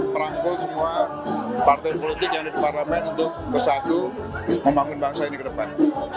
perangkul semua partai politik yang dikeparlemen untuk bersatu membangun bangsa ini ke depan